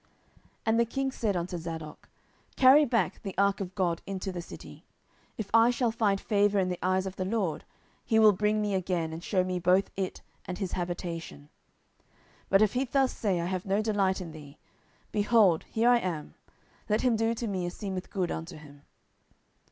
10:015:025 And the king said unto Zadok, Carry back the ark of God into the city: if I shall find favour in the eyes of the LORD, he will bring me again, and shew me both it, and his habitation: 10:015:026 But if he thus say, I have no delight in thee; behold, here am I, let him do to me as seemeth good unto him.